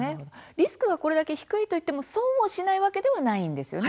リスクがこれだけ低いとはいっても損をしないわけではないんですよね？